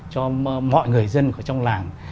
cho mọi người dân ở trong làng